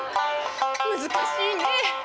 難しいねえ。